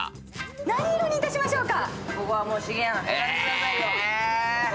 何色にいたしましょうか？